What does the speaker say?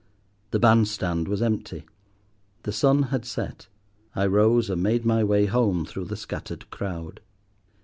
The band stand was empty, the sun had set; I rose and made my way home through the scattered crowd.